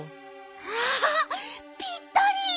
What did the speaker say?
わあぴったり！